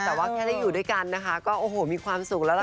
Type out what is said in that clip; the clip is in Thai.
แต่ว่าแค่ได้อยู่ด้วยกันนะคะก็โอ้โหมีความสุขแล้วล่ะ